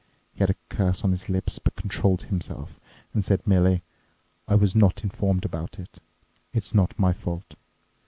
." He had a curse on his lips, but controlled himself and said merely: "I was not informed about it. It's not my fault.